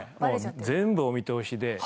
全部お見通しで。